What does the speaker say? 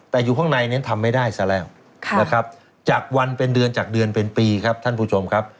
แต่อยู่ข้างในนั้นทำไม่ได้ซะแล้วนะครับจากวันเป็นเดือนจากเดือนเป็นปีครับท่านผู้ชมครับ